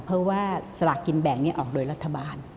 เพราะว่าสลากกินแบ่งนี้ออกโดยรัฐบาล